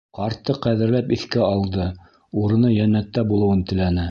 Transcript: Ҡартты ҡәҙерләп иҫкә алды, урыны йәннәттә булыуын теләне.